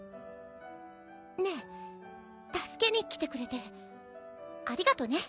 ねえ助けに来てくれてありがとね。